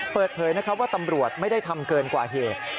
เปิดเผยว่าตำรวจไม่ได้ทำเกินกว่าเหตุ